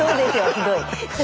ひどい。